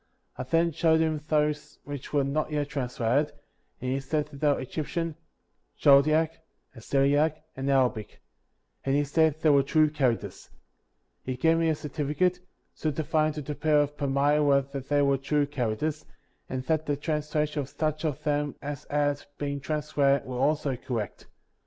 I then . showed him those which were not yet translated, and he said that they were Egyptian, Chaldaic, Assyriac, and Arabic; and he said they were true characters. He gave me a certificate, certifying to the people ot^ Palmyra that they were true characters, and that the translation of such of them as had been trans lated were also correct.